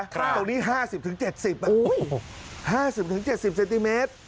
ครับตรงนี้๕๐๗๐โอ้โห๕๐๗๐เซนติเมตร